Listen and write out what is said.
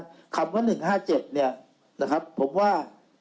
สติสัมพยายามที่๗เนี่ยนะครับผมว่า